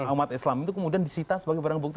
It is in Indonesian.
umat islam itu kemudian disita sebagai barang bukti